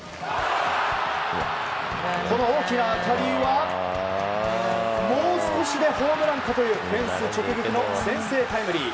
この大きな当たりはもう少しでホームランかというフェンス直撃の先制タイムリー。